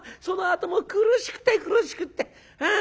そのあとも苦しくて苦しくて。